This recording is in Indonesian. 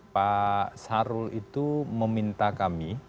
pak sarul itu meminta kami